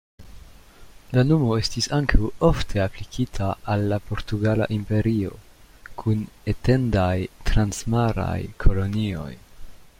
La nomo estis ankaŭ ofte aplikita al la Portugala Imperio, kun etendaj transmaraj kolonioj.